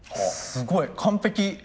すごい完璧！